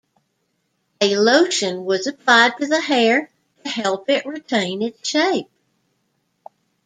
A lotion was applied to the hair to help it retain its shape.